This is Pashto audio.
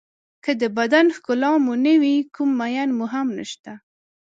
که د بدن ښکلا مو نه وي کوم مېن مو هم نشته.